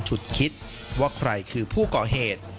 ฉุดคิดว่าใครคือผู้ก่อเหตุ